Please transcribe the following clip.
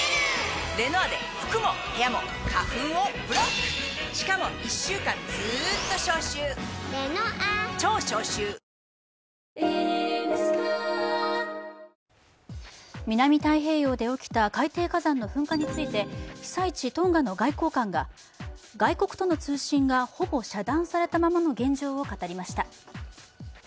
男子生徒が通う高校の教頭は取材に対し南太平洋で起きた海底火山の噴火について被災地トンガの外交官が外国との通信がほぼ遮断されたままの現状を語りました。